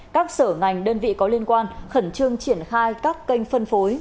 các sở ngành đơn vị có liên quan khẩn trương triển khai các kênh phân phối